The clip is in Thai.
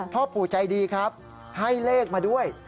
พ่อปู่ใจดีครับให้เลขมาด้วย